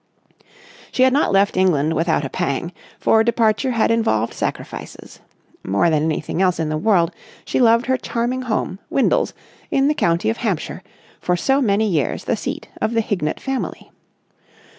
She had not left England without a pang, for departure had involved sacrifices. More than anything else in the world she loved her charming home, Windles, in the county of Hampshire, for so many years the seat of the Hignett family.